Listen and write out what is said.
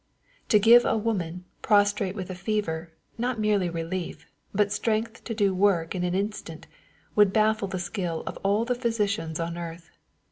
— To give a woman, prostrate with a fever, not merely relief, but strength to do work in an instant, would baffle the skill of all the physicians on earth.